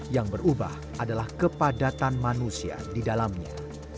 yang berubah adalah kepadatan manusia di dalamnya